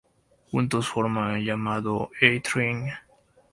Juntos forman el llamado A-train.